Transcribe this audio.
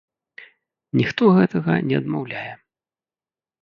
Ніхто гэтага не адмаўляе.